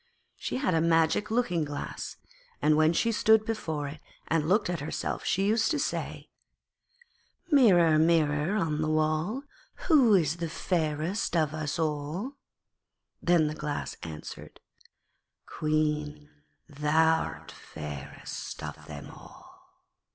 She had a magic looking glass, and when she stood before it and looked at herself she used to say: 'Mirror, Mirror on the wall, Who is fairest of us all?' then the Glass answered, 'Queen, thou'rt fairest of them all.'